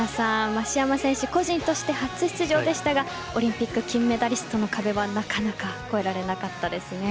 増山選手個人として初出場でしたがオリンピック金メダリストの壁はなかなか越えられなかったですね。